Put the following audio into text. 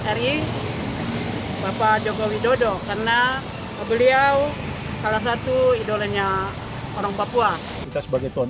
hai bapak jogowi dodo karena beliau salah satu idolnya orang papua kita sebagai tuan